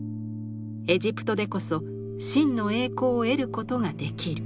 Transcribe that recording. エジプトでこそ真の栄光を得ることができる」。